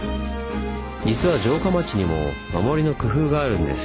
実は城下町にも守りの工夫があるんです。